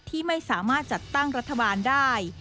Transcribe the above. ที่ไม่สามารถจัดตั้งรัฐบาลได้